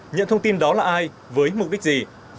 nhận thông tin đó là ai với mục đích gì